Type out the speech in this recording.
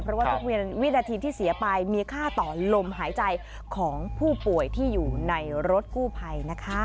เพราะว่าทุกวินาทีที่เสียไปมีค่าต่อลมหายใจของผู้ป่วยที่อยู่ในรถกู้ภัยนะคะ